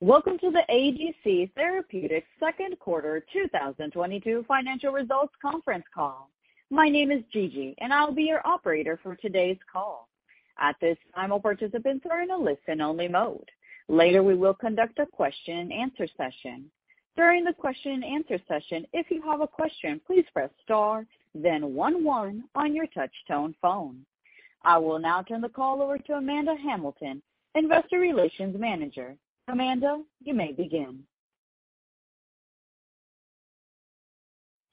Welcome to the ADC Therapeutics Second Quarter 2022 Financial Results Conference Call. My name is Gigi, and I'll be your operator for today's call. At this time, all participants are in a listen-only mode. Later, we will conduct a question and answer session. During the question and answer session, if you have a question, please press star then one one on your touch-tone phone. I will now turn the call over to Amanda Hamilton, Investor Relations Manager. Amanda, you may begin.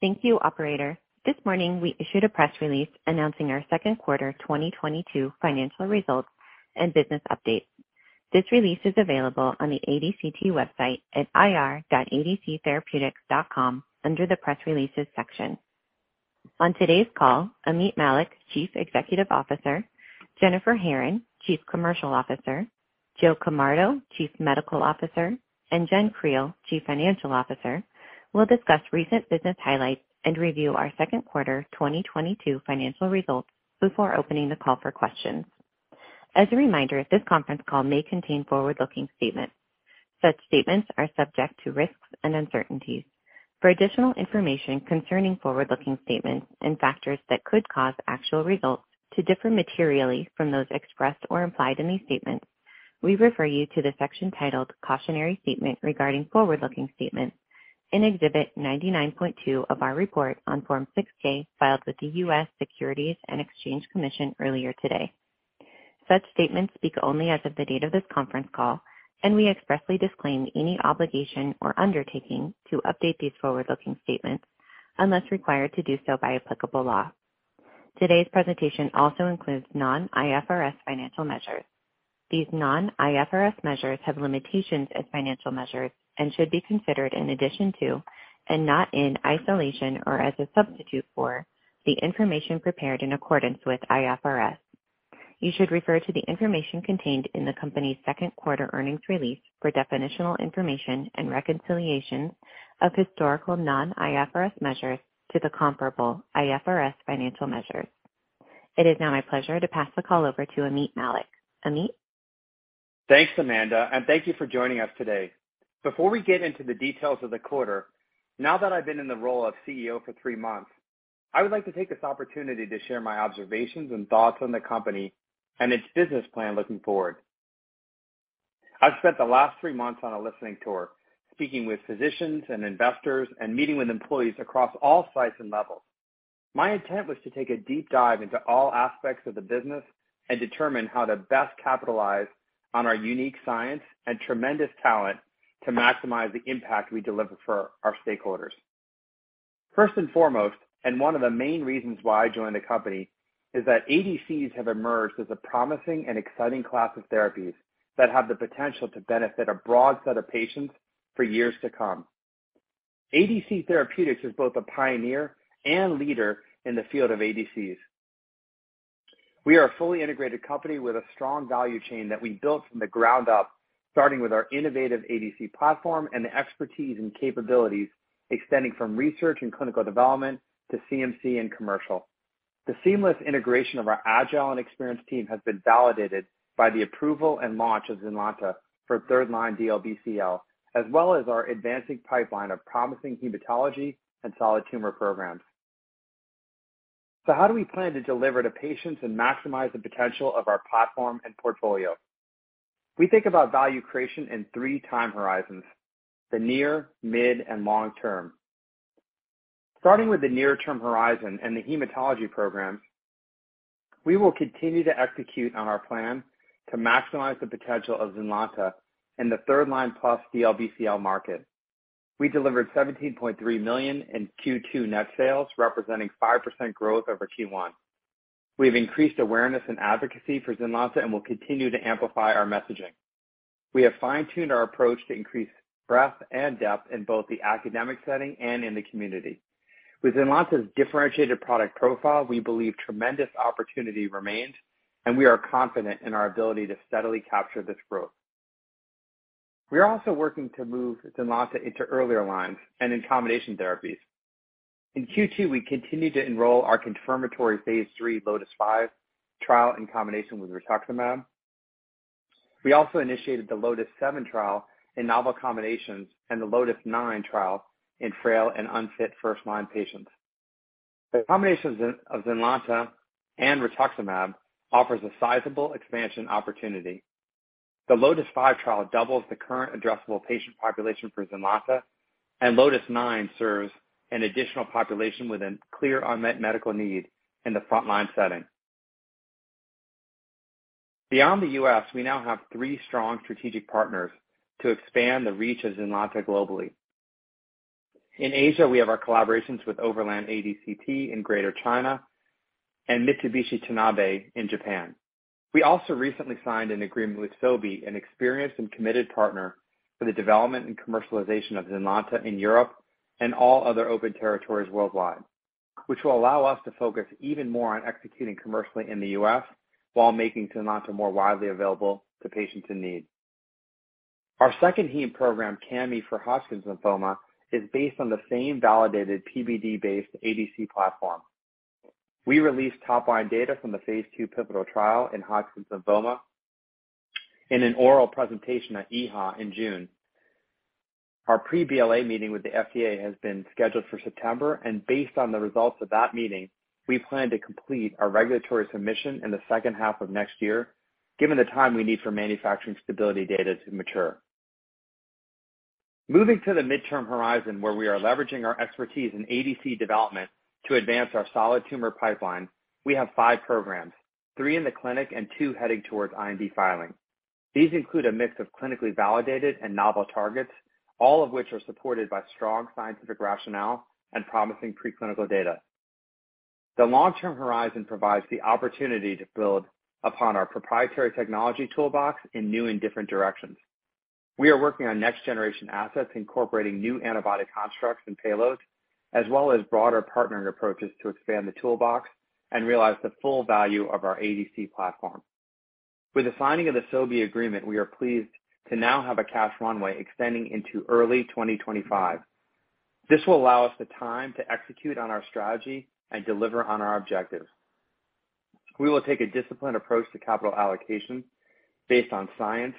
Thank you, operator. This morning, we issued a press release announcing our second quarter 2022 financial results and business update. This release is available on the ADCT website at ir.adctherapeutics.com under the Press Releases section. On today's call, Ameet Mallik, Chief Executive Officer, Jennifer Herron, Chief Commercial Officer, Joe Camardo, Chief Medical Officer, and Jenn Creel, Chief Financial Officer, will discuss recent business highlights and review our second quarter 2022 financial results before opening the call for questions. As a reminder, this conference call may contain forward-looking statements. Such statements are subject to risks and uncertainties. For additional information concerning forward-looking statements and factors that could cause actual results to differ materially from those expressed or implied in these statements, we refer you to the section titled "Cautionary Statement Regarding Forward-Looking Statements" in Exhibit 99.2 of our report on Form 6-K filed with the U.S. Securities and Exchange Commission earlier today. Such statements speak only as of the date of this conference call, and we expressly disclaim any obligation or undertaking to update these forward-looking statements unless required to do so by applicable law. Today's presentation also includes non-IFRS financial measures. These non-IFRS measures have limitations as financial measures and should be considered in addition to and not in isolation or as a substitute for the information prepared in accordance with IFRS. You should refer to the information contained in the company's second quarter earnings release for definitional information and reconciliations of historical non-IFRS measures to the comparable IFRS financial measures. It is now my pleasure to pass the call over to Ameet Mallik. Ameet. Thanks, Amanda, and thank you for joining us today. Before we get into the details of the quarter, now that I've been in the role of CEO for three months, I would like to take this opportunity to share my observations and thoughts on the company and its business plan looking forward. I've spent the last three months on a listening tour, speaking with physicians and investors and meeting with employees across all sites and levels. My intent was to take a deep dive into all aspects of the business and determine how to best capitalize on our unique science and tremendous talent to maximize the impact we deliver for our stakeholders. First and foremost, and one of the main reasons why I joined the company, is that ADCs have emerged as a promising and exciting class of therapies that have the potential to benefit a broad set of patients for years to come. ADC Therapeutics is both a pioneer and leader in the field of ADCs. We are a fully integrated company with a strong value chain that we built from the ground up, starting with our innovative ADC platform and the expertise and capabilities extending from research and clinical development to CMC and commercial. The seamless integration of our agile and experienced team has been validated by the approval and launch of ZYNLONTA for third-line DLBCL, as well as our advancing pipeline of promising hematology and solid tumor programs. How do we plan to deliver to patients and maximize the potential of our platform and portfolio? We think about value creation in three time horizons: the near, mid, and long term. Starting with the near-term horizon and the hematology programs, we will continue to execute on our plan to maximize the potential of ZYNLONTA in the third-line plus DLBCL market. We delivered $17.3 million in Q2 net sales, representing 5% growth over Q1. We've increased awareness and advocacy for ZYNLONTA and will continue to amplify our messaging. We have fine-tuned our approach to increase breadth and depth in both the academic setting and in the community. With ZYNLONTA's differentiated product profile, we believe tremendous opportunity remains, and we are confident in our ability to steadily capture this growth. We are also working to move ZYNLONTA into earlier lines and in combination therapies. In Q2, we continued to enroll our confirmatory phase 3 LOTIS-5 trial in combination with rituximab. We also initiated the LOTIS-7 trial in novel combinations and the LOTIS-9 trial in frail and unfit first-line patients. The combination of ZYNLONTA and rituximab offers a sizable expansion opportunity. The LOTIS-5 trial doubles the current addressable patient population for ZYNLONTA, and LOTIS-9 serves an additional population with a clear unmet medical need in the frontline setting. Beyond the U.S., we now have three strong strategic partners to expand the reach of ZYNLONTA globally. In Asia, we have our collaborations with Overland ADCT BioPharma in Greater China and Mitsubishi Tanabe Pharma Corporation in Japan. We also recently signed an agreement with Sobi, an experienced and committed partner for the development and commercialization of ZYNLONTA in Europe and all other open territories worldwide, which will allow us to focus even more on executing commercially in the U.S. while making ZYNLONTA more widely available to patients in need. Our second heme program, Cami for Hodgkin lymphoma, is based on the same validated PBD-based ADC platform. We released top line data from the phase II pivotal trial in Hodgkin lymphoma in an oral presentation at EHA in June. Our pre-BLA meeting with the FDA has been scheduled for September, and based on the results of that meeting, we plan to complete our regulatory submission in the second half of next year, given the time we need for manufacturing stability data to mature. Moving to the midterm horizon, where we are leveraging our expertise in ADC development to advance our solid tumor pipeline, we have five programs, three in the clinic and two heading towards IND filing. These include a mix of clinically validated and novel targets, all of which are supported by strong scientific rationale and promising preclinical data. The long-term horizon provides the opportunity to build upon our proprietary technology toolbox in new and different directions. We are working on next-generation assets incorporating new antibody constructs and payloads, as well as broader partnering approaches to expand the toolbox and realize the full value of our ADC platform. With the signing of the Sobi agreement, we are pleased to now have a cash runway extending into early 2025. This will allow us the time to execute on our strategy and deliver on our objectives. We will take a disciplined approach to capital allocation based on science,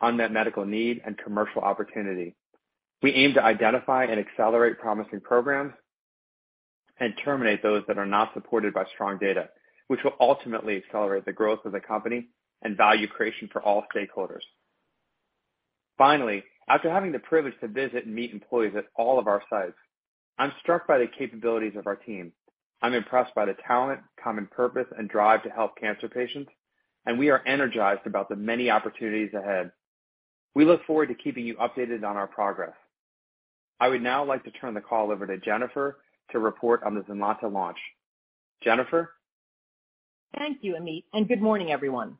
unmet medical need and commercial opportunity. We aim to identify and accelerate promising programs and terminate those that are not supported by strong data, which will ultimately accelerate the growth of the company and value creation for all stakeholders. Finally, after having the privilege to visit and meet employees at all of our sites, I'm struck by the capabilities of our team. I'm impressed by the talent, common purpose and drive to help cancer patients, and we are energized about the many opportunities ahead. We look forward to keeping you updated on our progress. I would now like to turn the call over to Jennifer to report on the ZYNLONTA launch. Jennifer? Thank you, Ameet, and good morning, everyone.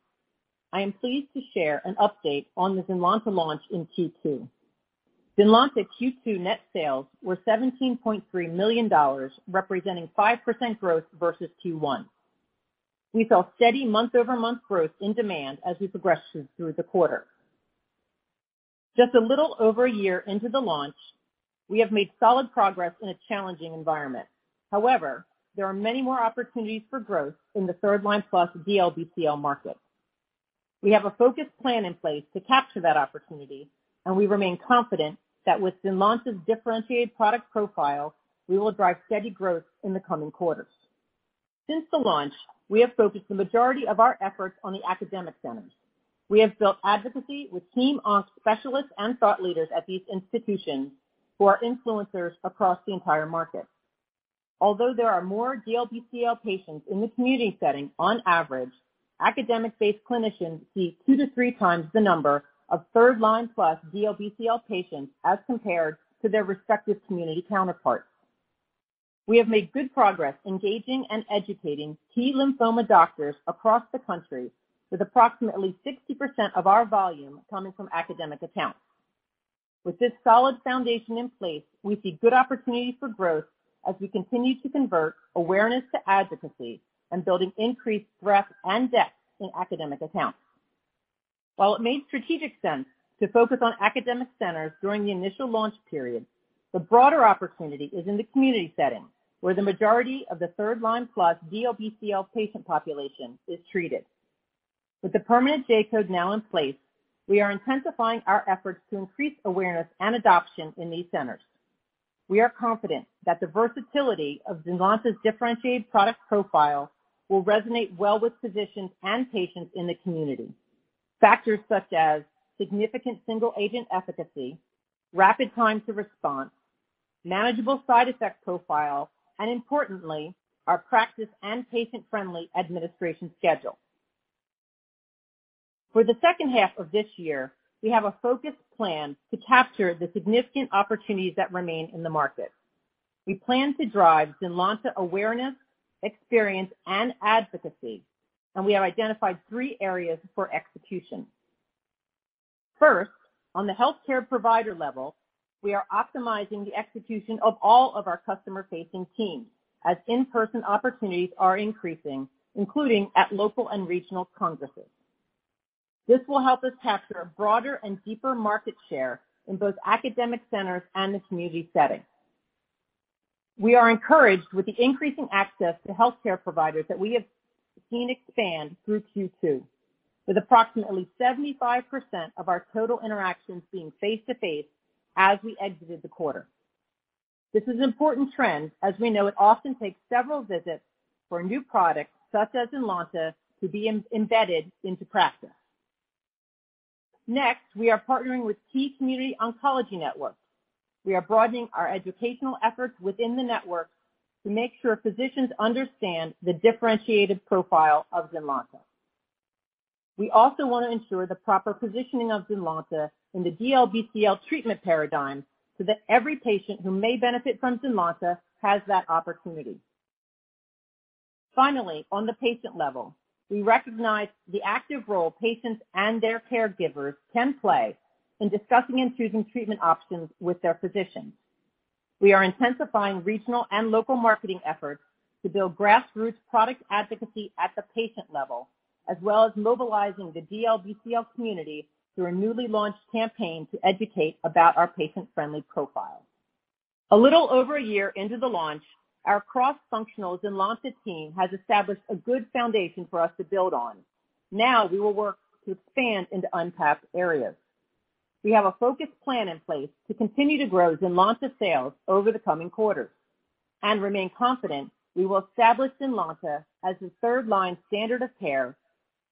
I am pleased to share an update on the ZYNLONTA launch in Q2. ZYNLONTA Q2 net sales were $17.3 million, representing 5% growth versus Q1. We saw steady month-over-month growth in demand as we progressed through the quarter. Just a little over a year into the launch, we have made solid progress in a challenging environment. However, there are many more opportunities for growth in the third line plus DLBCL market. We have a focused plan in place to capture that opportunity, and we remain confident that with ZYNLONTA's differentiated product profile, we will drive steady growth in the coming quarters. Since the launch, we have focused the majority of our efforts on the academic centers. We have built advocacy with team specialists and thought leaders at these institutions who are influencers across the entire market. Although there are more DLBCL patients in the community setting on average, academic-based clinicians see 2-3 times the number of third-line plus DLBCL patients as compared to their respective community counterparts. We have made good progress engaging and educating key lymphoma doctors across the country, with approximately 60% of our volume coming from academic accounts. With this solid foundation in place, we see good opportunities for growth as we continue to convert awareness to advocacy and building increased breadth and depth in academic accounts. While it made strategic sense to focus on academic centers during the initial launch period, the broader opportunity is in the community setting, where the majority of the third-line plus DLBCL patient population is treated. With the permanent J-code now in place, we are intensifying our efforts to increase awareness and adoption in these centers. We are confident that the versatility of ZYNLONTA's differentiated product profile will resonate well with physicians and patients in the community. Factors such as significant single agent efficacy, rapid time to response, manageable side effect profile, and importantly, our practice- and patient-friendly administration schedule. For the second half of this year, we have a focused plan to capture the significant opportunities that remain in the market. We plan to drive ZYNLONTA awareness, experience, and advocacy, and we have identified three areas for execution. First, on the healthcare provider level, we are optimizing the execution of all of our customer-facing teams as in-person opportunities are increasing, including at local and regional congresses. This will help us capture a broader and deeper market share in both academic centers and the community setting. We are encouraged with the increasing access to healthcare providers that we have seen expand through Q2, with approximately 75% of our total interactions being face to face as we exited the quarter. This is an important trend as we know it often takes several visits for a new product such as ZYNLONTA to be embedded into practice. Next, we are partnering with key community oncology networks. We are broadening our educational efforts within the network to make sure physicians understand the differentiated profile of ZYNLONTA. We also want to ensure the proper positioning of ZYNLONTA in the DLBCL treatment paradigm so that every patient who may benefit from ZYNLONTA has that opportunity. Finally, on the patient level, we recognize the active role patients and their caregivers can play in discussing and choosing treatment options with their physicians. We are intensifying regional and local marketing efforts to build grassroots product advocacy at the patient level, as well as mobilizing the DLBCL community through a newly launched campaign to educate about our patient friendly profile. A little over a year into the launch, our cross-functional ZYNLONTA team has established a good foundation for us to build on. Now we will work to expand into untapped areas. We have a focused plan in place to continue to grow ZYNLONTA sales over the coming quarters and remain confident we will establish ZYNLONTA as the third-line standard of care.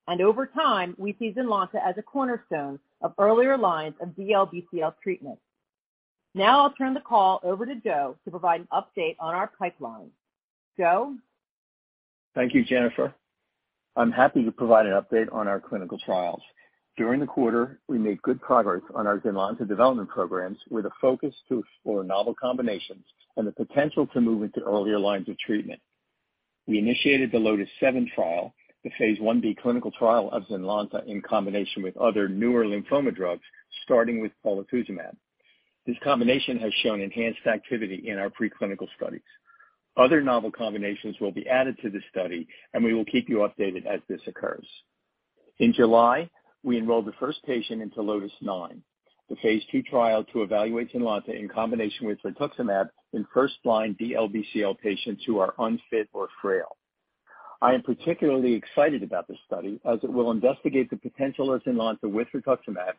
Over time, we see ZYNLONTA as a cornerstone of earlier lines of DLBCL treatment. Now I'll turn the call over to Joe to provide an update on our pipeline. Joe? Thank you, Jennifer. I'm happy to provide an update on our clinical trials. During the quarter, we made good progress on our ZYNLONTA development programs with a focus to explore novel combinations and the potential to move into earlier lines of treatment. We initiated the LOTIS-7 trial, the phase 1b clinical trial of ZYNLONTA in combination with other newer lymphoma drugs, starting with polatuzumab. This combination has shown enhanced activity in our preclinical studies. Other novel combinations will be added to this study, and we will keep you updated as this occurs. In July, we enrolled the first patient into LOTIS-9, the phase 2 trial to evaluate ZYNLONTA in combination with rituximab in first-line DLBCL patients who are unfit or frail. I am particularly excited about this study, as it will investigate the potential of ZYNLONTA with rituximab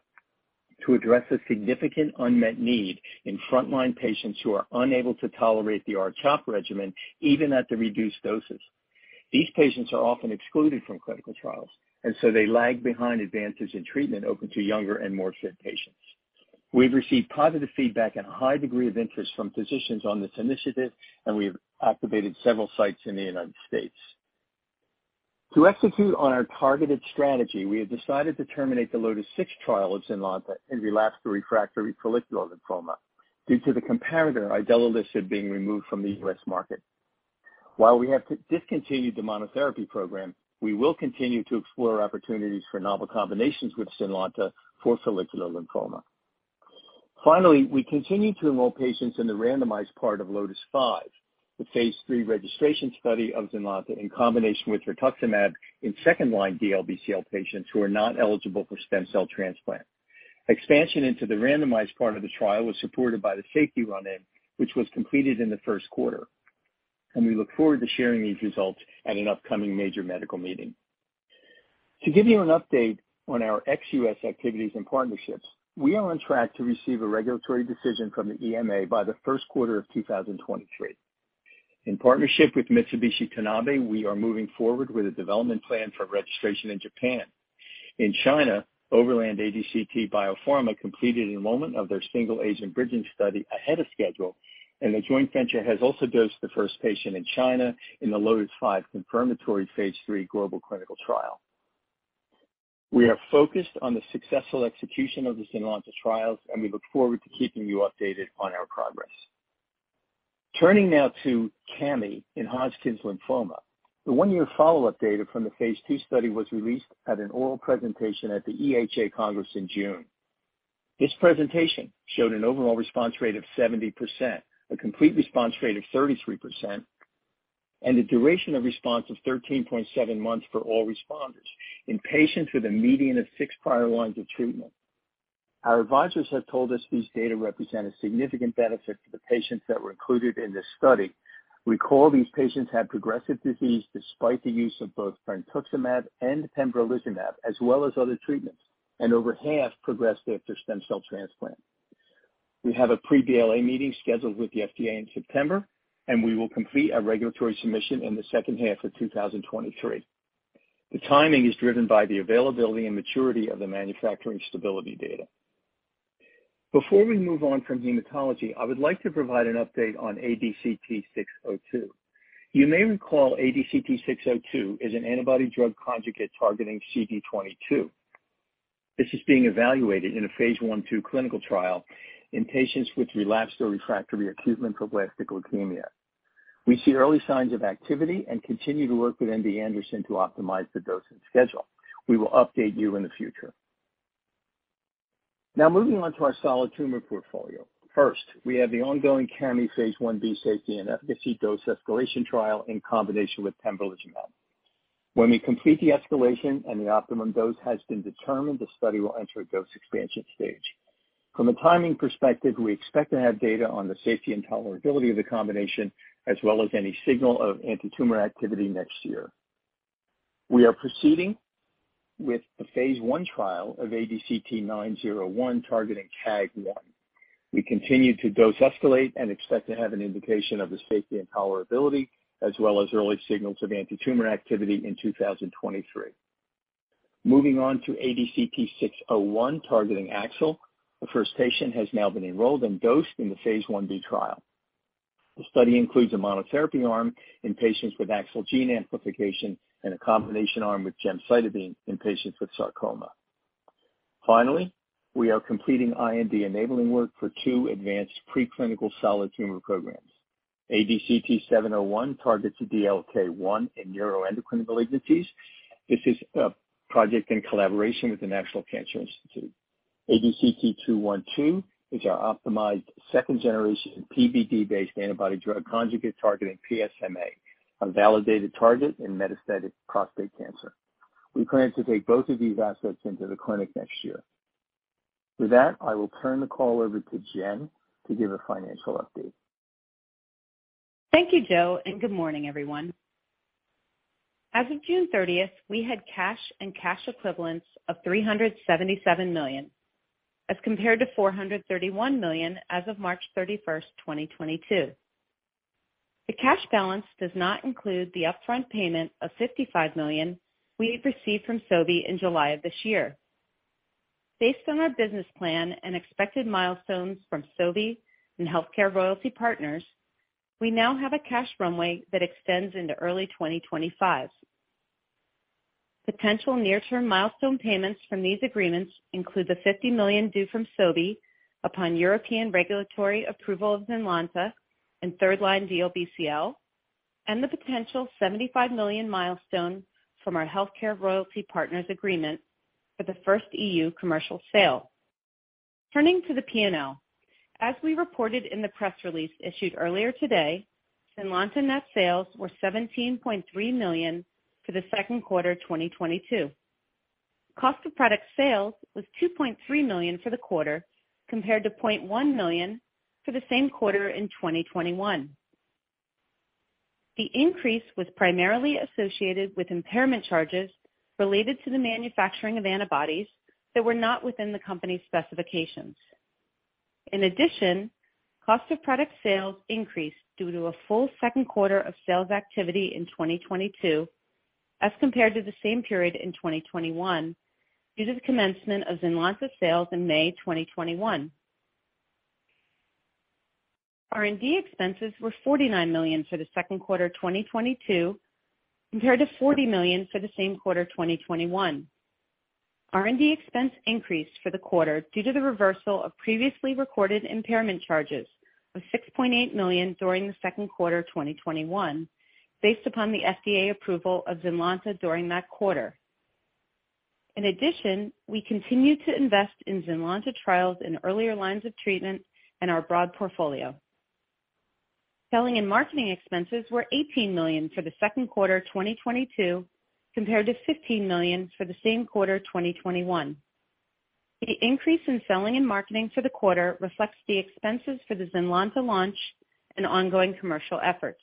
to address a significant unmet need in front-line patients who are unable to tolerate the R-CHOP regimen, even at the reduced doses. These patients are often excluded from clinical trials, and so they lag behind advances in treatment open to younger and more fit patients. We've received positive feedback and a high degree of interest from physicians on this initiative, and we've activated several sites in the United States. To execute on our targeted strategy, we have decided to terminate the LOTIS-6 trial of ZYNLONTA in relapsed or refractory follicular lymphoma due to the comparator, idelalisib, being removed from the U.S. market. While we have discontinued the monotherapy program, we will continue to explore opportunities for novel combinations with ZYNLONTA for follicular lymphoma. Finally, we continue to enroll patients in the randomized part of LOTIS-5, the phase 3 registration study of ZYNLONTA in combination with rituximab in second-line DLBCL patients who are not eligible for stem cell transplant. Expansion into the randomized part of the trial was supported by the safety run-in, which was completed in the first quarter, and we look forward to sharing these results at an upcoming major medical meeting. To give you an update on our ex-U.S. activities and partnerships, we are on track to receive a regulatory decision from the EMA by the first quarter of 2023. In partnership with Mitsubishi Tanabe, we are moving forward with a development plan for registration in Japan. In China, Overland ADCT BioPharma completed enrollment of their single-agent bridging study ahead of schedule, and the joint venture has also dosed the first patient in China in the LOTIS-5 confirmatory phase 3 global clinical trial. We are focused on the successful execution of the ZYNLONTA trials, and we look forward to keeping you updated on our progress. Turning now to Cami in Hodgkin lymphoma. The one-year follow-up data from the phase 2 study was released at an oral presentation at the EHA Congress in June. This presentation showed an overall response rate of 70%, a complete response rate of 33%, and a duration of response of 13.7 months for all responders in patients with a median of six prior lines of treatment. Our advisors have told us these data represent a significant benefit to the patients that were included in this study. Recall these patients had progressive disease despite the use of both brentuximab vedotin and pembrolizumab, as well as other treatments, and over half progressed after stem cell transplant. We have a pre-BLA meeting scheduled with the FDA in September, and we will complete our regulatory submission in the second half of 2023. The timing is driven by the availability and maturity of the manufacturing stability data. Before we move on from hematology, I would like to provide an update on ADCT-602. You may recall ADCT-602 is an antibody drug conjugate targeting CD22. This is being evaluated in a phase 1/2 clinical trial in patients with relapsed or refractory acute lymphoblastic leukemia. We see early signs of activity and continue to work with MD Anderson to optimize the dosing schedule. We will update you in the future. Now moving on to our solid tumor portfolio. First, we have the ongoing Cami phase 1b safety and efficacy dose escalation trial in combination with pembrolizumab. When we complete the escalation and the optimum dose has been determined, the study will enter a dose expansion stage. From a timing perspective, we expect to have data on the safety and tolerability of the combination, as well as any signal of antitumor activity next year. We are proceeding with the phase 1 trial of ADCT-901 targeting KAAG1. We continue to dose escalate and expect to have an indication of the safety and tolerability, as well as early signals of antitumor activity in 2023. Moving on to ADCT-601 targeting AXL. The first patient has now been enrolled and dosed in the phase 1b trial. The study includes a monotherapy arm in patients with AXL gene amplification and a combination arm with gemcitabine in patients with sarcoma. Finally, we are completing IND-enabling work for two advanced preclinical solid tumor programs. ADCT-701 targets DLK1 in neuroendocrine malignancies. This is a project in collaboration with the National Cancer Institute. ADCT-212 is our optimized second-generation PBD-based antibody-drug conjugate targeting PSMA, a validated target in metastatic prostate cancer. We plan to take both of these assets into the clinic next year. With that, I will turn the call over to Jenn to give a financial update. Thank you, Joe, and good morning, everyone. As of June 30, we had cash and cash equivalents of $377 million, as compared to $431 million as of March 31, 2022. The cash balance does not include the upfront payment of $55 million we received from Sobi in July of this year. Based on our business plan and expected milestones from Sobi and HealthCare Royalty Partners, we now have a cash runway that extends into early 2025. Potential near-term milestone payments from these agreements include the $50 million due from Sobi upon European regulatory approval of ZYNLONTA in third-line DLBCL, and the potential $75 million milestone from our HealthCare Royalty Partners agreement for the first EU commercial sale. Turning to the P&L. As we reported in the press release issued earlier today, ZYNLONTA net sales were $17.3 million for the second quarter 2022. Cost of product sales was $2.3 million for the quarter, compared to $0.1 million for the same quarter in 2021. The increase was primarily associated with impairment charges related to the manufacturing of antibodies that were not within the company's specifications. In addition, cost of product sales increased due to a full second quarter of sales activity in 2022, as compared to the same period in 2021 due to the commencement of ZYNLONTA sales in May 2021. R&D expenses were $49 million for the second quarter 2022, compared to $40 million for the same quarter in 2021. R&D expense increased for the quarter due to the reversal of previously recorded impairment charges of $6.8 million during the second quarter 2021 based upon the FDA approval of ZYNLONTA during that quarter. In addition, we continued to invest in ZYNLONTA trials in earlier lines of treatment and our broad portfolio. Selling and marketing expenses were $18 million for the second quarter 2022, compared to $15 million for the same quarter 2021. The increase in selling and marketing for the quarter reflects the expenses for the ZYNLONTA launch and ongoing commercial efforts.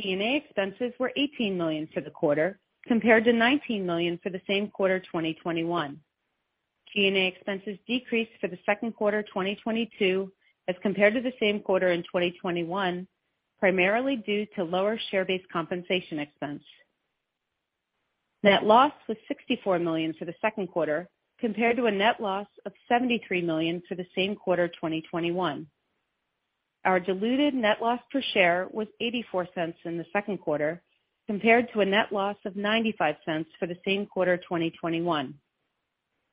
G&A expenses were $18 million for the quarter, compared to $19 million for the same quarter 2021. G&A expenses decreased for the second quarter 2022 as compared to the same quarter in 2021, primarily due to lower share-based compensation expense. Net loss was $64 million for the second quarter, compared to a net loss of $73 million for the same quarter 2021. Our diluted net loss per share was $0.84 in the second quarter, compared to a net loss of $0.95 for the same quarter 2021.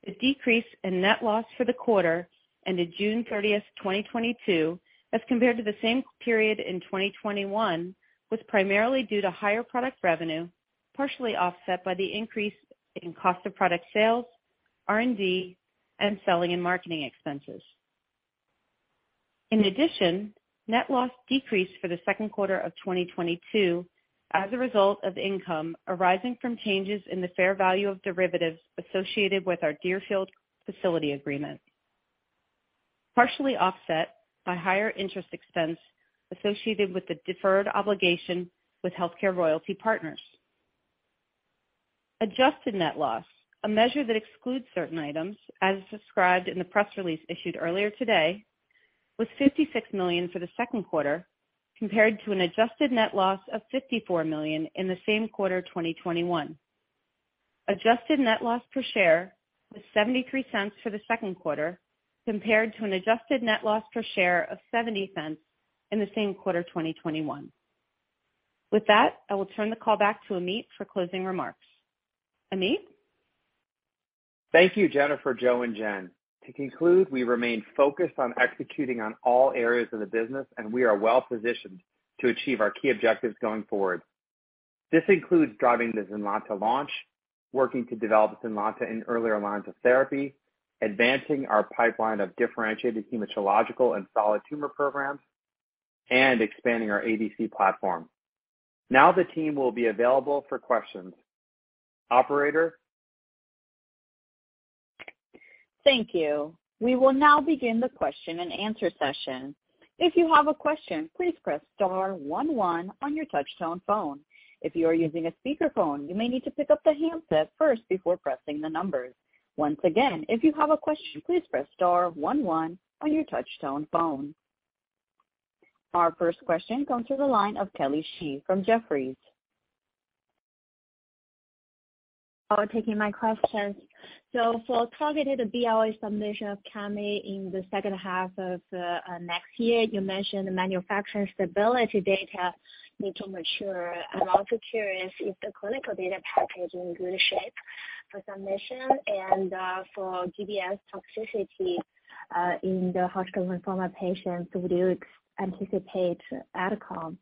The decrease in net loss for the quarter ended June 30, 2022, as compared to the same period in 2021, was primarily due to higher product revenue, partially offset by the increase in cost of product sales, R&D, and selling and marketing expenses. In addition, net loss decreased for the second quarter of 2022 as a result of income arising from changes in the fair value of derivatives associated with our Deerfield facility agreement, partially offset by higher interest expense associated with the deferred obligation with HealthCare Royalty Partners. Adjusted net loss, a measure that excludes certain items as described in the press release issued earlier today, was $56 million for the second quarter, compared to an adjusted net loss of $54 million in the same quarter 2021. Adjusted net loss per share was $0.73 for the second quarter, compared to an adjusted net loss per share of $0.70 in the same quarter 2021. With that, I will turn the call back to Ameet for closing remarks. Ameet. Thank you, Jennifer, Joe, and Jenn. To conclude, we remain focused on executing on all areas of the business, and we are well positioned to achieve our key objectives going forward. This includes driving the ZYNLONTA launch, working to develop ZYNLONTA in earlier lines of therapy, advancing our pipeline of differentiated hematological and solid tumor programs, and expanding our ADC platform. Now the team will be available for questions. Operator? Thank you. We will now begin the question-and-answer session. If you have a question, please press star one one on your touchtone phone. If you are using a speakerphone, you may need to pick up the handset first before pressing the numbers. Once again, if you have a question, please press star one one on your touchtone phone. Our first question comes through the line of Kelly Shi from Jefferies. For taking my questions. For targeted BLA submission of Cami in the second half of next year, you mentioned the manufacturing stability data need to mature. I'm also curious if the clinical data package in good shape for submission and for GBS toxicity in the Hodgkin lymphoma patients, would you anticipate add-on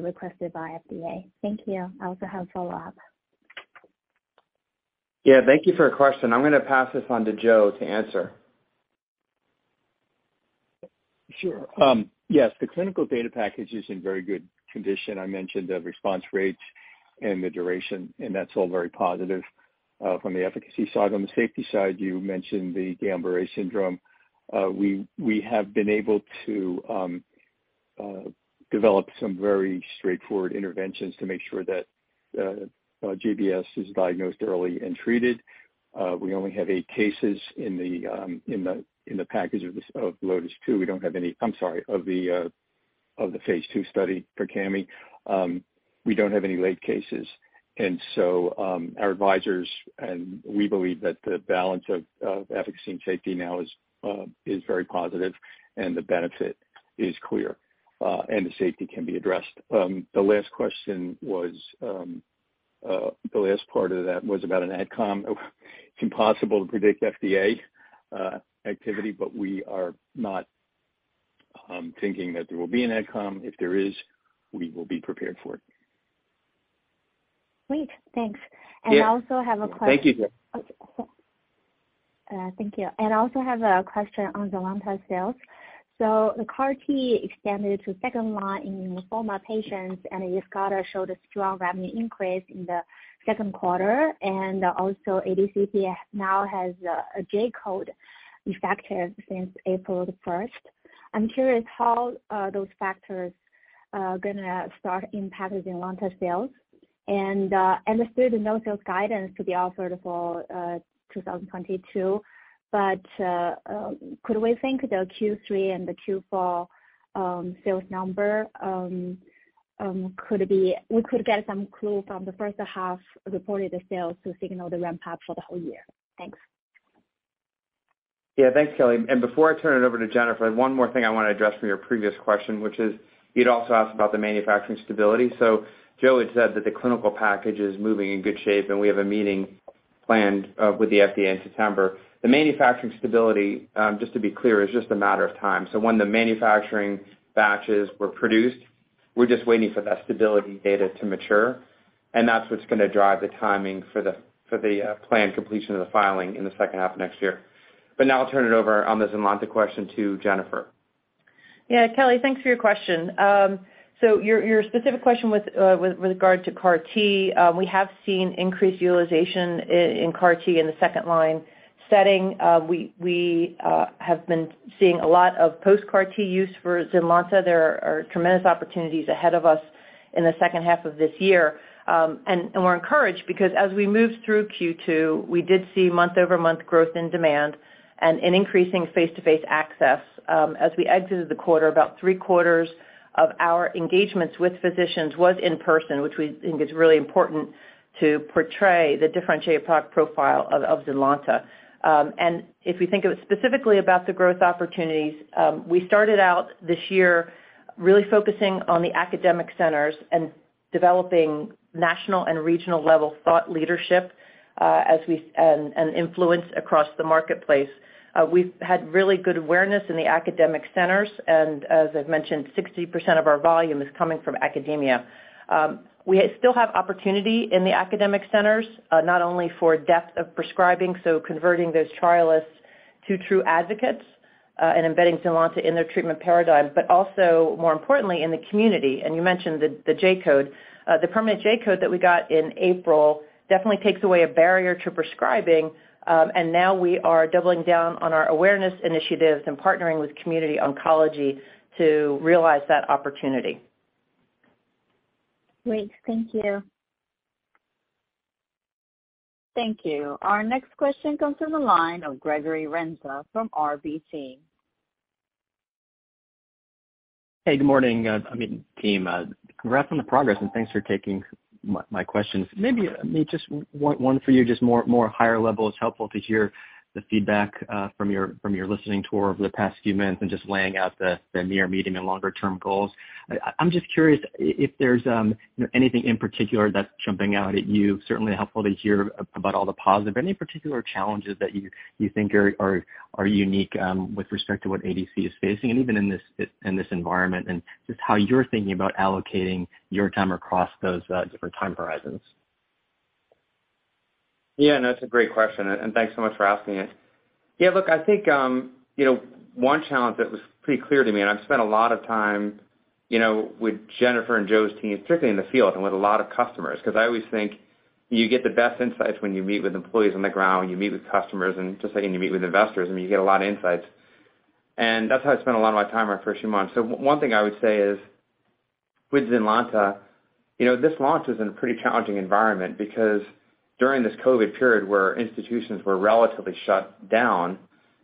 requested by FDA? Thank you. I also have follow-up. Yeah, thank you for your question. I'm gonna pass this on to Joe to answer. Sure. Yes, the clinical data package is in very good condition. I mentioned the response rates and the duration, and that's all very positive from the efficacy side. On the safety side, you mentioned the Guillain-Barré syndrome. We have been able to develop some very straightforward interventions to make sure that GBS is diagnosed early and treated. We only have 8 cases in the package of the phase 2 study for Cami. We don't have any late cases. Our advisors and we believe that the balance of efficacy and safety now is very positive and the benefit is clear, and the safety can be addressed. The last question was, the last part of that was about an ad comm. It's impossible to predict FDA activity, but we are not thinking that there will be an ad comm. If there is, we will be prepared for it. Great. Thanks. Yeah. I also have a question. Thank you, Kelly. Thank you. I also have a question on ZYNLONTA sales. The CAR T extended to second line in lymphoma patients, and Yescarta showed a strong revenue increase in the second quarter. ZYNLONTA now has a J-code effective since April 1. I'm curious, how are those factors gonna start impacting ZYNLONTA sales? Understood no sales guidance to be offered for 2022, but could we think the Q3 and the Q4 sales number could be. We could get some clue from the first half reported sales to signal the ramp-up for the whole year? Thanks. Yeah. Thanks, Kelly. Before I turn it over to Jennifer, one more thing I wanna address from your previous question, which is you'd also asked about the manufacturing stability. Joe had said that the clinical package is moving in good shape, and we have a meeting planned with the FDA in September. The manufacturing stability, just to be clear, is just a matter of time. When the manufacturing batches were produced, we're just waiting for that stability data to mature, and that's what's gonna drive the timing for the planned completion of the filing in the second half of next year. Now I'll turn it over on the ZYNLONTA question to Jennifer. Yeah. Kelly, thanks for your question. Your specific question with regard to CAR T, we have seen increased utilization in CAR T in the second line setting. We have been seeing a lot of post-CAR T use for ZYNLONTA. There are tremendous opportunities ahead of us in the second half of this year. We're encouraged because as we moved through Q2, we did see month-over-month growth in demand and an increasing face-to-face access. As we exited the quarter, about three-quarters of our engagements with physicians was in person, which we think is really important to portray the differentiated product profile of ZYNLONTA. If we think of it specifically about the growth opportunities, we started out this year really focusing on the academic centers and developing national and regional level thought leadership and influence across the marketplace. We've had really good awareness in the academic centers, and as I've mentioned, 60% of our volume is coming from academia. We still have opportunity in the academic centers, not only for depth of prescribing, so converting those trialists to true advocates, and embedding ZYNLONTA in their treatment paradigm, but also more importantly in the community, and you mentioned the J-code. The permanent J-code that we got in April definitely takes away a barrier to prescribing, and now we are doubling down on our awareness initiatives and partnering with community oncology to realize that opportunity. Great. Thank you. Thank you. Our next question comes from the line of Gregory Renza from RBC. Hey, good morning, I mean, team. Congrats on the progress, and thanks for taking my questions. Maybe just one for you, just more higher level. It's helpful to hear the feedback from your listening tour over the past few months and just laying out the near medium and longer term goals. I'm just curious if there's, you know, anything in particular that's jumping out at you. Certainly helpful to hear about all the positive. Any particular challenges that you think are unique with respect to what ADC is facing and even in this environment, and just how you're thinking about allocating your time across those different time horizons? Yeah, no, that's a great question, and thanks so much for asking it. Yeah, look, I think, you know, one challenge that was pretty clear to me, and I've spent a lot of time, you know, with Jennifer and Joe's team, particularly in the field and with a lot of customers, 'cause I always think you get the best insights when you meet with employees on the ground, when you meet with customers and just like when you meet with investors, I mean, you get a lot of insights. That's how I spent a lot of my time our first few months. One thing I would say is with ZYNLONTA, you know, this launch is in a pretty challenging environment because during this COVID period where institutions were relatively shut down,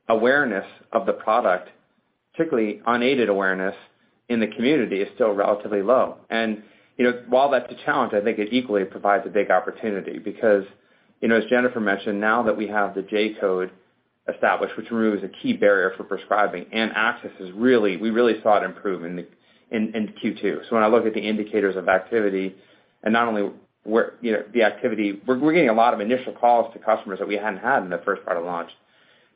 awareness of the product, particularly unaided awareness in the community, is still relatively low. You know, while that's a challenge, I think it equally provides a big opportunity because, you know, as Jennifer mentioned, now that we have the J-code established, which removes a key barrier for prescribing and access is really. We really saw it improve in Q2. When I look at the indicators of activity and not only the activity, we're getting a lot of initial calls to customers that we hadn't had in the first part of launch.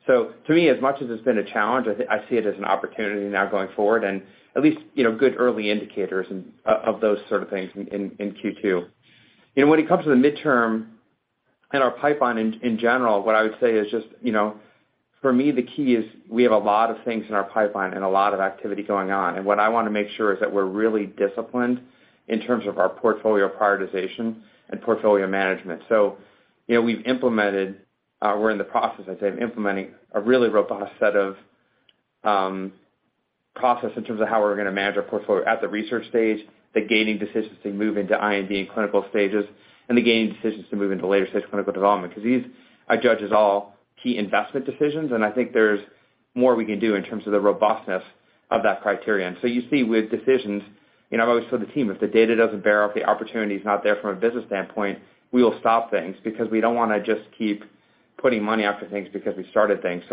To me, as much as it's been a challenge, I see it as an opportunity now going forward and at least, you know, good early indicators and of those sort of things in Q2. You know, when it comes to the midterm and our pipeline in general, what I would say is just, you know, for me, the key is we have a lot of things in our pipeline and a lot of activity going on. What I wanna make sure is that we're really disciplined in terms of our portfolio prioritization and portfolio management. You know, we've implemented, we're in the process, I'd say, of implementing a really robust set of processes in terms of how we're gonna manage our portfolio at the research stage, the gating decisions to move into IND and clinical stages, and the gating decisions to move into later-stage clinical development. 'Cause these, I judge, is all key investment decisions, and I think there's more we can do in terms of the robustness of that criterion. You see with decisions, you know, I've always told the team, if the data doesn't bear out, the opportunity's not there from a business standpoint, we will stop things because we don't wanna just keep putting money after things because we started things.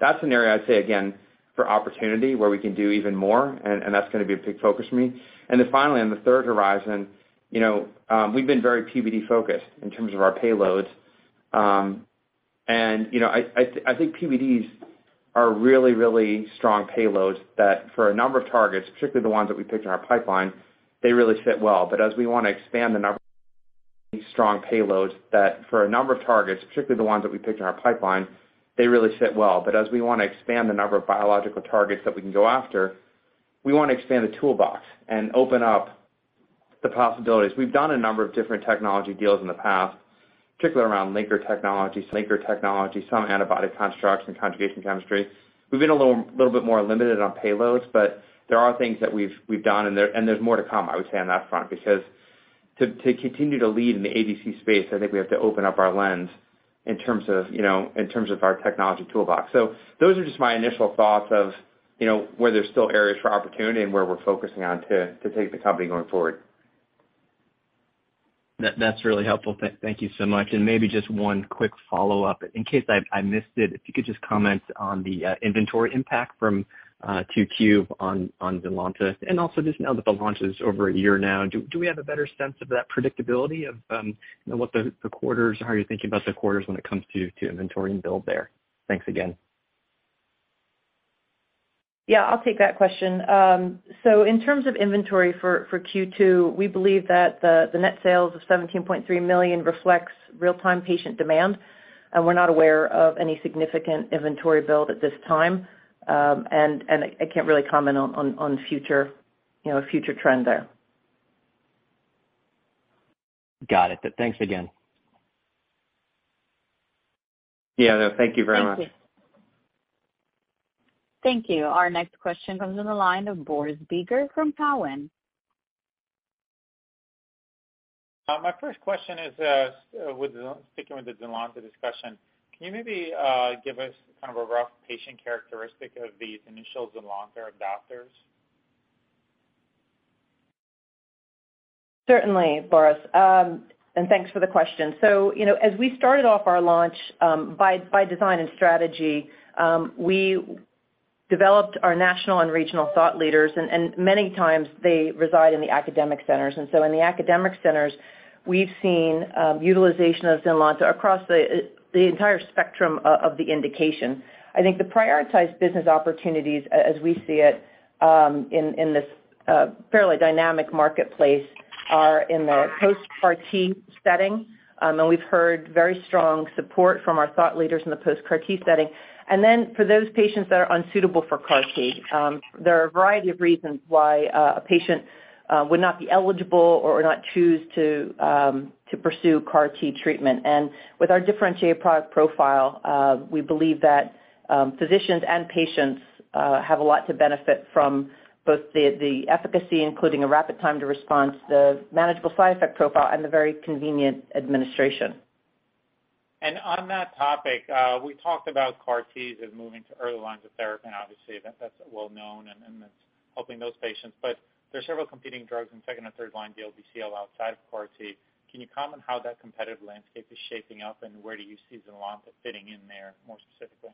That's an area I'd say again for opportunity where we can do even more, and that's gonna be a big focus for me. Finally, on the third horizon, you know, we've been very PBD focused in terms of our payloads. You know, I think PBDs are really, really strong payloads that for a number of targets, particularly the ones that we picked in our pipeline, they really fit well. As we wanna expand the number of strong payloads that, for a number of targets, particularly the ones that we picked in our pipeline, they really fit well. As we wanna expand the number of biological targets that we can go after, we wanna expand the toolbox and open up the possibilities. We've done a number of different technology deals in the past, particularly around linker technologies, some antibody constructs, and conjugation chemistry. We've been a little bit more limited on payloads, but there are things that we've done, and there's more to come, I would say, on that front because to continue to lead in the ADC space, I think we have to open up our lens in terms of, you know, our technology toolbox. Those are just my initial thoughts of, you know, where there's still areas for opportunity and where we're focusing on to take the company going forward. That's really helpful. Thank you so much. Maybe just one quick follow-up. In case I missed it, if you could just comment on the inventory impact from 2Q on ZYNLONTA. Also just now that the launch is over a year now, do we have a better sense of that predictability of, you know, what the quarters or how you're thinking about the quarters when it comes to inventory and build there? Thanks again. Yeah, I'll take that question. In terms of inventory for Q2, we believe that the net sales of $17.3 million reflects real-time patient demand, and we're not aware of any significant inventory build at this time. I can't really comment on future, you know, future trend there. Got it. Thanks again. Yeah, no, thank you very much. Thank you. Thank you. Our next question comes on the line of Boris Peaker from Cowen. My first question is sticking with the ZYNLONTA discussion. Can you maybe give us kind of a rough patient characteristic of these initial ZYNLONTA adopters? Certainly, Boris. Thanks for the question. As we started off our launch, by design and strategy, we developed our national and regional thought leaders, and many times they reside in the academic centers. In the academic centers, we've seen utilization of ZYNLONTA across the entire spectrum of the indication. I think the prioritized business opportunities as we see it, in this fairly dynamic marketplace are in the post-CAR T setting. We've heard very strong support from our thought leaders in the post-CAR T setting. For those patients that are unsuitable for CAR T, there are a variety of reasons why a patient would not be eligible or not choose to pursue CAR T treatment. With our differentiated product profile, we believe that physicians and patients have a lot to benefit from both the efficacy, including a rapid time to response, the manageable side effect profile, and the very convenient administration. On that topic, we talked about CAR Ts as moving to early lines of therapy, and obviously that's well known and it's helping those patients. There are several competing drugs in second- and third-line DLBCL outside of CAR T. Can you comment how that competitive landscape is shaping up, and where do you see ZYNLONTA fitting in there more specifically?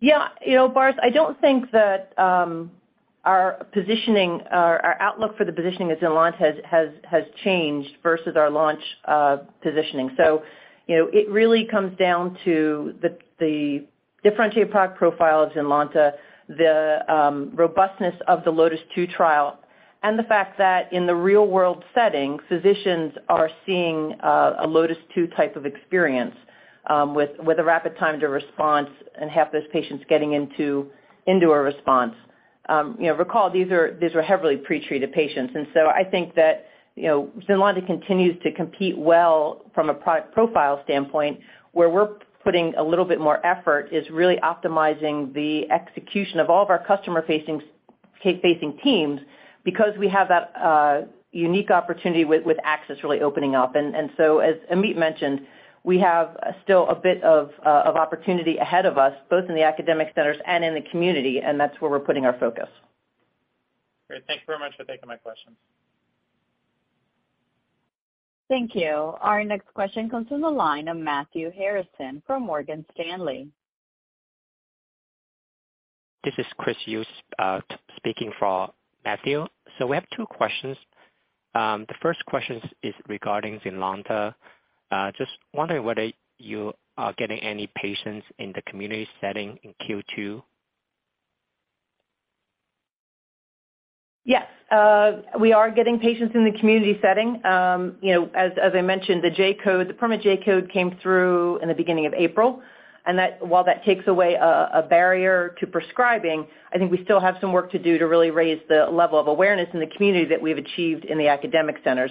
Yeah. You know, Boris, I don't think that our positioning or our outlook for the positioning of ZYNLONTA has changed versus our launch positioning. You know, it really comes down to the differentiated product profile of ZYNLONTA, the robustness of the LOTIS-2 trial, and the fact that in the real-world setting, physicians are seeing a LOTIS-2 type of experience with a rapid time to response and half those patients getting into a response. You know, recall these are heavily pretreated patients. I think that, you know, ZYNLONTA continues to compete well from a product profile standpoint. Where we're putting a little bit more effort is really optimizing the execution of all of our customer-facing teams because we have that unique opportunity with access really opening up. As Ameet mentioned, we have still a bit of opportunity ahead of us, both in the academic centers and in the community, and that's where we're putting our focus. Great. Thank you very much for taking my questions. Thank you. Our next question comes from the line of Matthew Harrison from Morgan Stanley. This is Chris Yu, speaking for Matthew. We have two questions. The first question is regarding ZYNLONTA. Just wondering whether you are getting any patients in the community setting in Q2. Yes, we are getting patients in the community setting. You know, as I mentioned, the J-code, the permanent J-code came through in the beginning of April, and that, while that takes away a barrier to prescribing, I think we still have some work to do to really raise the level of awareness in the community that we've achieved in the academic centers.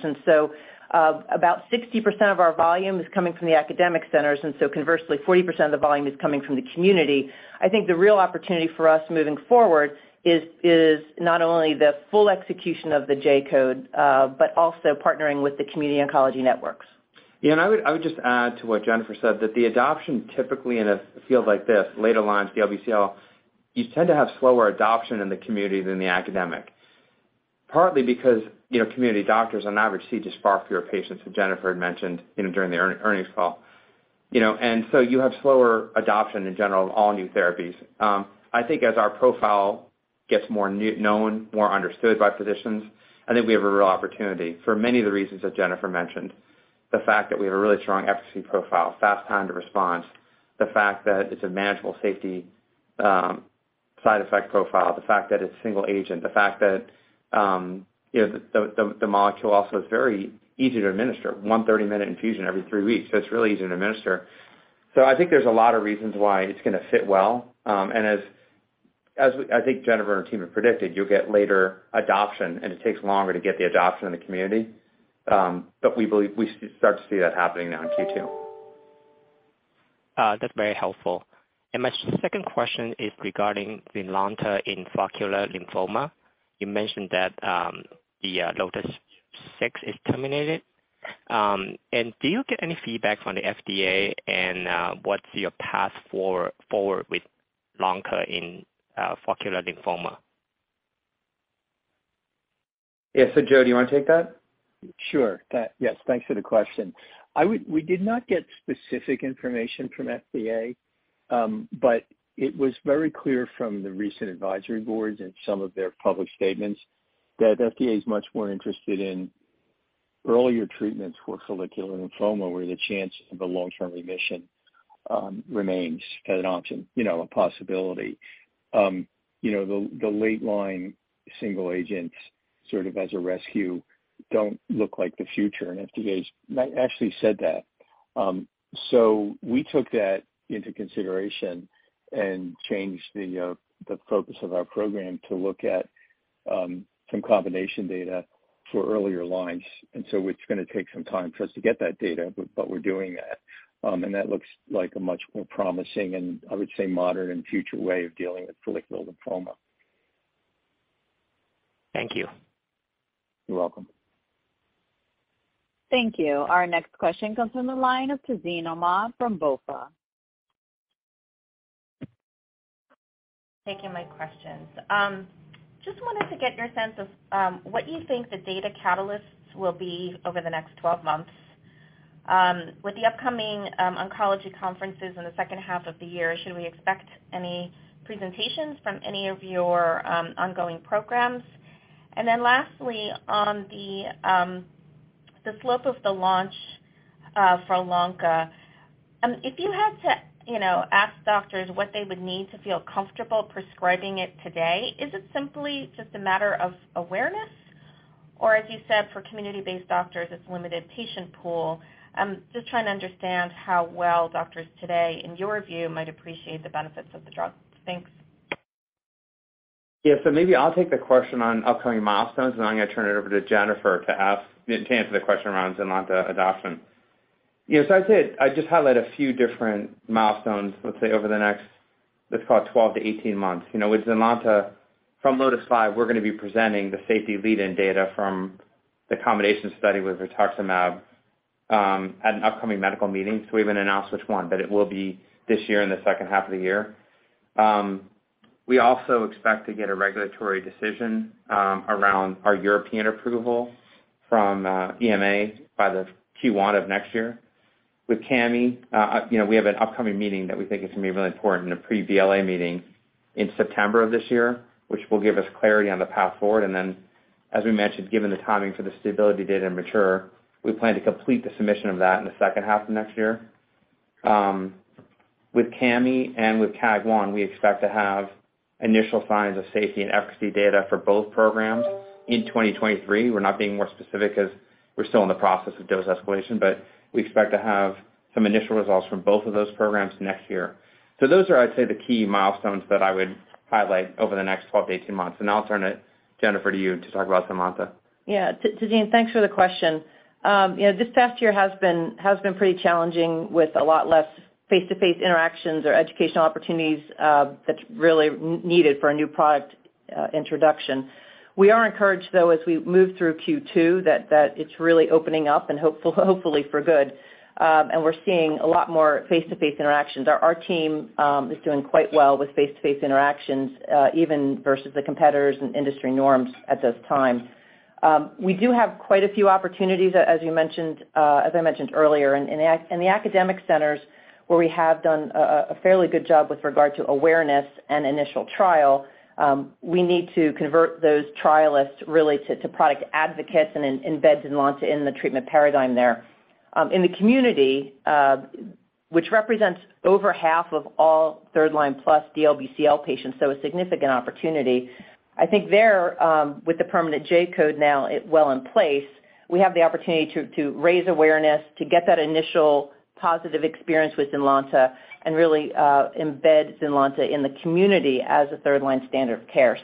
About 60% of our volume is coming from the academic centers, and so conversely, 40% of the volume is coming from the community. I think the real opportunity for us moving forward is not only the full execution of the J-code, but also partnering with the community oncology networks. Yeah, I would just add to what Jennifer said, that the adoption typically in a field like this, late-line DLBCL, you tend to have slower adoption in the community than the academic. Partly because, you know, community doctors on average see just far fewer patients than Jennifer had mentioned, you know, during the earnings call. You know, you have slower adoption in general of all new therapies. I think as our profile gets more known, more understood by physicians, I think we have a real opportunity for many of the reasons that Jennifer mentioned. The fact that we have a really strong efficacy profile, fast time to response. The fact that it's a manageable safety side effect profile. The fact that it's single agent. The fact that, you know, the molecule also is very easy to administer. 1 30-minute infusion every three weeks. It's really easy to administer. I think there's a lot of reasons why it's gonna fit well, and I think Jennifer and our team have predicted, you'll get later adoption, and it takes longer to get the adoption in the community. We believe we start to see that happening now in Q2. That's very helpful. My second question is regarding ZYNLONTA in follicular lymphoma. You mentioned that the LOTIS-6 is terminated. Do you get any feedback from the FDA, and what's your path forward with ZYNLONTA in follicular lymphoma? Yeah. Joe, do you wanna take that? Sure. Yes, thanks for the question. We did not get specific information from FDA, but it was very clear from the recent advisory boards and some of their public statements that FDA is much more interested in earlier treatments for follicular lymphoma, where the chance of a long-term remission remains an option, you know, a possibility. You know, the late line single agents sort of as a rescue don't look like the future, and FDA has actually said that. We took that into consideration and changed the focus of our program to look at some combination data for earlier lines. It's gonna take some time for us to get that data, but we're doing that. That looks like a much more promising and I would say modern and future way of dealing with follicular lymphoma. Thank you. You're welcome. Thank you. Our next question comes from the line of Tazeen Ahmad from BofA. Thank you for taking my questions. Just wanted to get your sense of what you think the data catalysts will be over the next 12 months. With the upcoming oncology conferences in the second half of the year, should we expect any presentations from any of your ongoing programs? Lastly, on the slope of the launch for ZYNLONTA, if you had to, you know, ask doctors what they would need to feel comfortable prescribing it today, is it simply just a matter of awareness? Or as you said, for community-based doctors, it's limited patient pool. I'm just trying to understand how well doctors today, in your view, might appreciate the benefits of the drug. Thanks. Yeah. Maybe I'll take the question on upcoming milestones, and then I'm gonna turn it over to Jennifer to answer the question around ZYNLONTA adoption. You know, I'd say. I'd just highlight a few different milestones, let's say over the next, let's call it 12-18 months. You know, with ZYNLONTA, from LOTIS-5, we're gonna be presenting the safety lead-in data from the combination study with rituximab at an upcoming medical meeting. We haven't announced which one, but it will be this year in the second half of the year. We also expect to get a regulatory decision around our European approval from EMA by the Q1 of next year. With Cami, you know, we have an upcoming meeting that we think is gonna be really important in a pre-BLA meeting in September of this year, which will give us clarity on the path forward. Then, as we mentioned, given the timing for the stability data to mature, we plan to complete the submission of that in the second half of next year. With Cami and with KAAG1, we expect to have initial signs of safety and efficacy data for both programs in 2023. We're not being more specific 'cause we're still in the process of dose escalation, but we expect to have some initial results from both of those programs next year. Those are, I'd say, the key milestones that I would highlight over the next 12-18 months. I'll turn it, Jennifer, to you to talk about ZYNLONTA. Yeah. Tazeen, thanks for the question. You know, this past year has been pretty challenging with a lot less face-to-face interactions or educational opportunities, that's really needed for a new product introduction. We are encouraged, though, as we move through Q2, that it's really opening up and hopeful, hopefully for good. We're seeing a lot more face-to-face interactions. Our team is doing quite well with face-to-face interactions, even versus the competitors and industry norms at this time. We do have quite a few opportunities, as you mentioned, as I mentioned earlier, in the academic centers where we have done a fairly good job with regard to awareness and initial trial. We need to convert those trialists really to product advocates and then embed ZYNLONTA in the treatment paradigm there. In the community, which represents over half of all third line plus DLBCL patients, so a significant opportunity. I think there, with the permanent J-code now well in place, we have the opportunity to raise awareness, to get that initial positive experience with ZYNLONTA and really, embed ZYNLONTA in the community as a third line standard of care.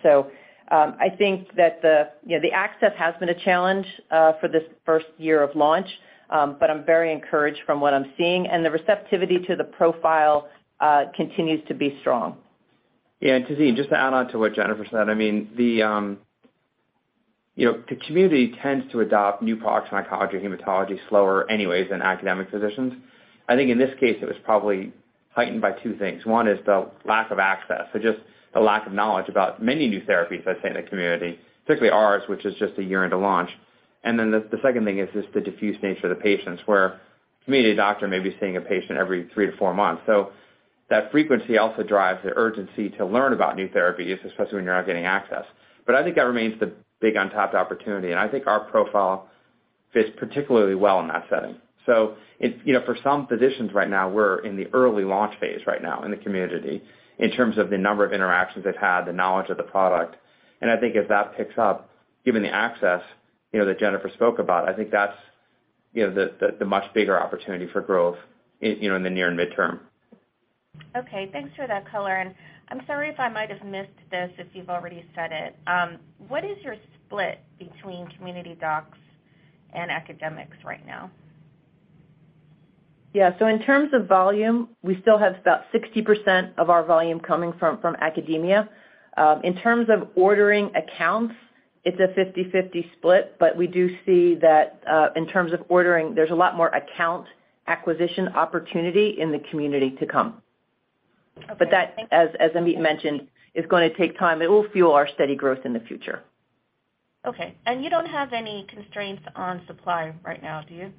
I think that the, you know, the access has been a challenge for this first year of launch. I'm very encouraged from what I'm seeing, and the receptivity to the profile continues to be strong. Tazeen, just to add on to what Jennifer said, I mean, the, you know, the community tends to adopt new products in oncology, hematology slower anyways than academic physicians. I think in this case, it was probably heightened by two things. One is the lack of access. Just the lack of knowledge about many new therapies, I'd say, in the community, particularly ours, which is just a year into launch. The second thing is just the diffuse nature of the patients, where a community doctor may be seeing a patient every three to four months. That frequency also drives the urgency to learn about new therapies, especially when you're not getting access. I think that remains the big untapped opportunity, and I think our profile fits particularly well in that setting. It's, you know, for some physicians right now, we're in the early launch phase right now in the community in terms of the number of interactions they've had, the knowledge of the product. I think if that picks up, given the access, you know, that Jennifer spoke about, I think that's, you know, the much bigger opportunity for growth in, you know, in the near and midterm. Okay, thanks for that color. I'm sorry if I might have missed this if you've already said it. What is your split between community docs and academics right now? Yeah. In terms of volume, we still have about 60% of our volume coming from academia. In terms of ordering accounts, it's a 50-50 split, but we do see that in terms of ordering, there's a lot more account acquisition opportunity in the community to come. Okay. That, as Ameet mentioned, is gonna take time. It will fuel our steady growth in the future. Okay. You don't have any constraints on supply right now, do you?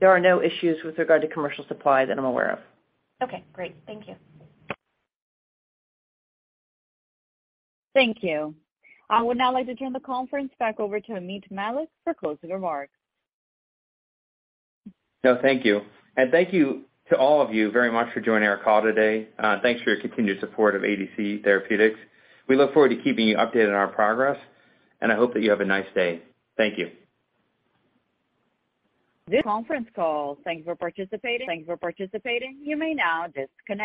There are no issues with regard to commercial supply that I'm aware of. Okay, great. Thank you. Thank you. I would now like to turn the conference back over to Ameet Mallik for closing remarks. No, thank you. Thank you to all of you very much for joining our call today. Thanks for your continued support of ADC Therapeutics. We look forward to keeping you updated on our progress, and I hope that you have a nice day. Thank you. This conference call. Thank you for participating. You may now disconnect.